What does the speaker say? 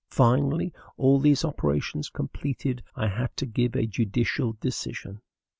Finally, all these operations completed, I had to give a judicial decision.